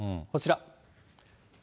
こちら。